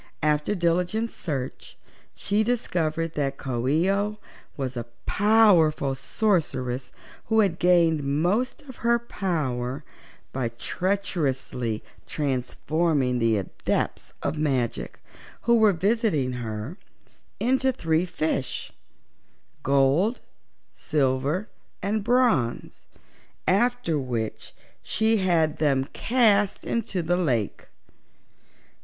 After diligent search she discovered that Coo ee oh was a powerful sorceress who had gained most of her power by treacherously transforming the Adepts of Magic, who were visiting her, into three fishes gold, silver and bronze after which she had them cast into the lake.